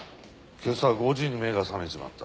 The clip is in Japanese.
今朝５時に目が覚めちまった。